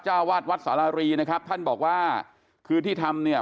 เจ้าวาดวัดสารรีนะครับท่านบอกว่าคือที่ทำเนี่ย